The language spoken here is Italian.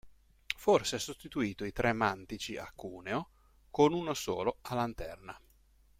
Forse ha sostituito i tre mantici "a cuneo" con uno solo "a lanterna".